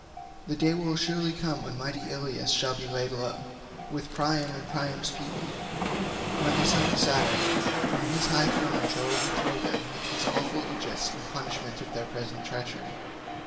The day will surely come when mighty Ilius shall be laid low, with Priam and Priam's people, when the son of Saturn from his high throne shall overshadow them with his awful aegis in punishment of their present treachery.